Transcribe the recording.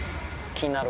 気になる！